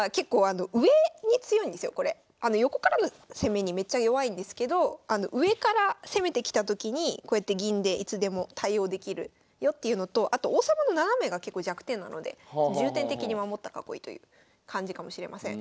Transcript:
横からの攻めにめっちゃ弱いんですけど上から攻めてきたときにこうやって銀でいつでも対応できるよっていうのとあと王様の斜めが結構弱点なので重点的に守った囲いという感じかもしれません。